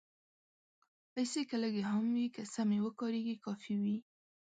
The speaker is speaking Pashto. پېسې که لږې هم وي، که سمې وکارېږي، کافي وي.